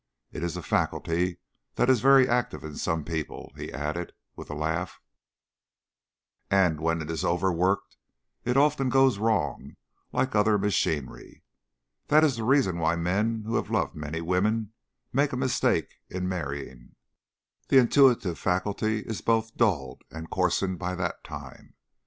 It is a faculty that is very active in some people," he added with a laugh, "and when it is overworked it often goes wrong, like any other machinery. That is the reason why men who have loved many women make a mistake in marrying; the intuitive faculty is both dulled and coarsened by that time.